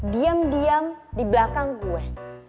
diam diam di belakang gue